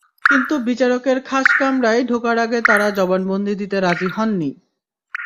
কিন্তু বিচারকের খাস কামরায় ঢোকার আগে তাঁরা জবানবন্দি দিতে রাজি হননি।